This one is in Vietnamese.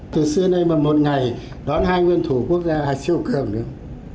từ xưa nay mà một ngày đón hai nguyên thủ quốc gia hạ chiều cường được